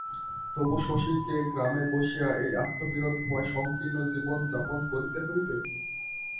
তবু শশীকে গ্রামে বসিয়া এই আত্মবিরোধময় সংকীর্ণ জীবন যাপন করিতে হইবে?